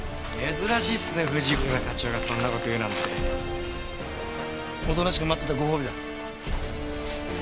珍しいっすね藤倉課長がそんな事言うなんて。おとなしく待ってたご褒美だ。